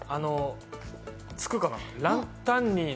つくかな？